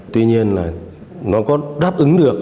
tuy nhiên là nó có đáp ứng được